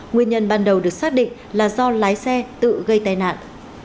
nguyên nhân ban đầu được xác định là do lái xe tự gây tai nạn